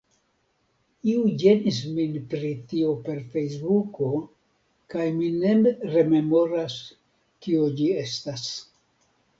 Iu ĝenis min pri tio per Fejsbuko kaj mi ne rememoras, kio ĝi estas